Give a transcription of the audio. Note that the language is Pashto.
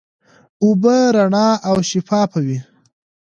اوبه رڼا او شفافه وي.